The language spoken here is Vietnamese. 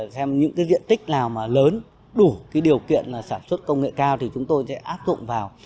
xem những cái diện tích nào mà lớn đủ cái điều kiện sản xuất công nghệ cao thì chúng tôi sẽ áp dụng vào